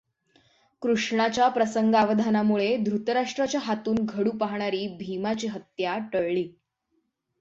कृष्णाच्या प्रसंगावधानामुळे धृतराष्ट्राच्या हातून घडू पाहणारी भिमाची हत्या टळली.